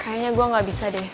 kayaknya gue gak bisa deh